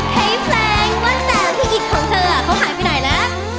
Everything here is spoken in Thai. เฮ้แฟรงว่าแสงพี่อิทย์ของเธอเขาหายไปไหนแล้ว